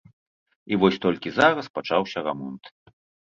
І вось толькі зараз пачаўся рамонт.